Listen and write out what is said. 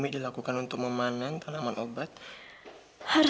meninggalkan mereka seperti aku meninggalkan kamu